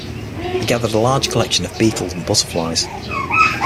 He gathered a large collection of beetle and butterflies.